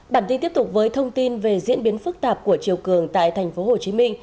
bản tin tiếp tục với thông tin về diễn biến phức tạp của chiều cường tại tp hcm